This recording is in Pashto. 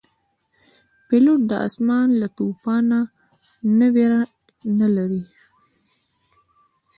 پیلوټ د آسمان له توپانه نه ویره نه لري.